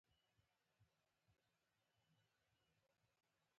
زموږ خر داسې په کراره خپلې سترګې رپوي لکه د کومې نوې کیسې لیکل.